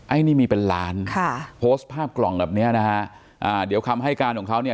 อันนี้มีเป็นล้านค่ะโพสต์ภาพกล่องแบบเนี้ยนะฮะอ่าเดี๋ยวคำให้การของเขาเนี่ย